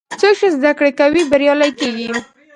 څوک چې زده کړه کوي، بریالی کېږي.